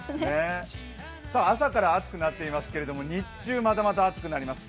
朝から暑くなっていますけれども、日中またまた暑くなります。